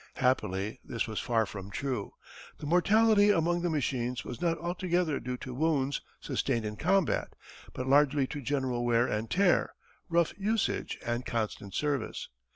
Happily this was far from true. The mortality among the machines was not altogether due to wounds sustained in combat, but largely to general wear and tear, rough usage, and constant service.